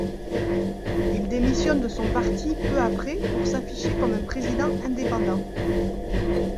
Il démissionne de son parti peu après pour s'afficher comme un président indépendant.